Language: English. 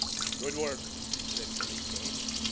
"Good work!" said Billy Kane.